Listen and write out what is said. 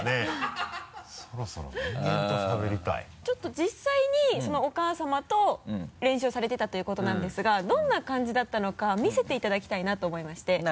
ちょっと実際にそのお母さまと練習をされていたっていうことなんですがどんな感じだったのか見せていただきたいなと思いまして。